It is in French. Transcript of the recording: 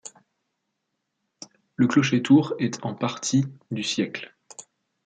Le clocher-tour est en partie du siècle.